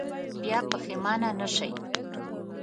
بیا پښېمانه نه شئ.